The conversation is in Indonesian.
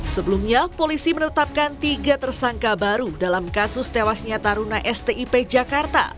sebelumnya polisi menetapkan tiga tersangka baru dalam kasus tewasnya taruna stip jakarta